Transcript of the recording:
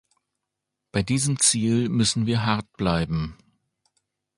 Bei diesem Ziel müssen wir hart bleiben.